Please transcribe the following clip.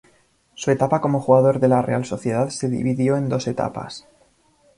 Su etapa como jugador de la Real Sociedad se dividió en dos etapas.